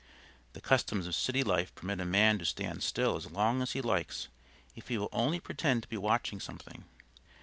The customs of city life permit a man to stand still as long as he likes if he will only pretend to be watching something.